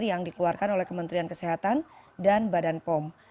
yang dikeluarkan oleh kementerian kesehatan dan badan pom